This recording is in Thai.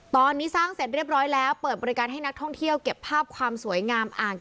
ตอนนี้สร้างเสร็จเรียบร้อยแล้วเปิดบริการให้นักท่องเที่ยวเก็บภาพความสวยงามอ่าง